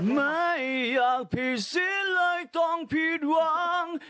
ไม่อยากผิดสิเลยต้องผิดหวัง